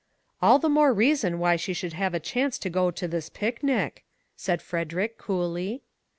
" All the more reason why she should have a chance to go to this picnic," said Frederick, coolly.